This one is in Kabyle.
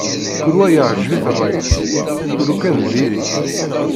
Kul wa yeɛǧeb-it ṛṛay-is, ulukan diri-t.